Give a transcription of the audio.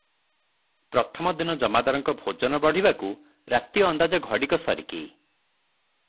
ପ୍ରଥମ ଦିନ ଜମାଦାରଙ୍କ ଭୋଜନ ବଢ଼ିବାକୁ ରାତି ଅନ୍ଦାଜ ଘଡିକ ସରିକି ।